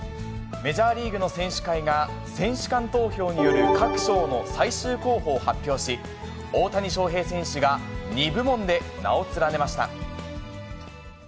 メジャーリーグの選手会が、選手間投票による各賞の最終候補を発表し、大谷翔平選手が２部門で名を連ねました。